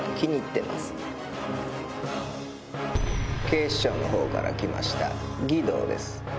警視庁のほうから来ました儀藤です。